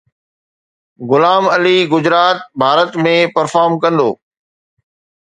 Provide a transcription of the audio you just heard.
غلام Ali Gujarat, Bharat ۾ perform ڪندو